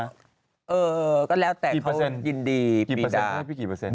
เออก็แล้วแต่เขายินดีปีดากี่เปอร์เซ็นต์ให้พี่กี่เปอร์เซ็นต์